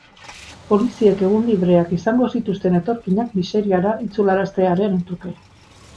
Poliziek egun libreak izango zituzten etorkinak miseriara itzularaztearen truke.